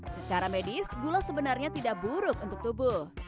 secara medis gula sebenarnya tidak buruk untuk tubuh